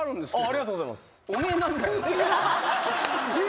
ありがとうございます。